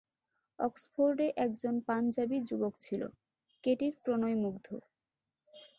অক্সফোর্ডে একজন পাঞ্জাবি যুবক ছিল কেটির প্রণয়মুগ্ধ।